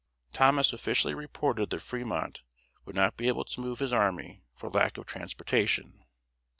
Thomas officially reported that Fremont would not be able to move his army for lack of transportation.